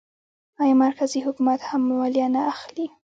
آیا مرکزي حکومت هم مالیه نه اخلي؟